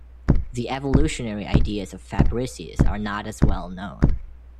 The evolutionary ideas of Fabricius are not as well known.